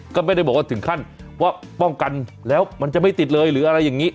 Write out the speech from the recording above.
ก็ไม่ได้บอกว่าถึงขั้นว่าป้องกันแล้วมันจะไม่ติดเลยหรืออะไรอย่างนี้